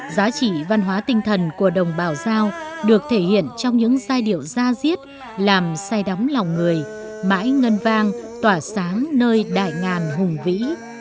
giá trị văn hóa tinh thần của đồng bào giao được thể hiện trong những giai điệu ra diết làm say đắm lòng người mãi ngân vang tỏa sáng nơi đại ngàn hùng vĩ